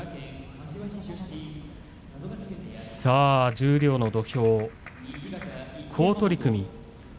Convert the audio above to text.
十両の土俵、好取組。